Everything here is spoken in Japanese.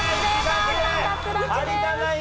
有田ナイン